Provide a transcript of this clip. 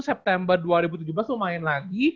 september dua ribu tujuh belas tuh main lagi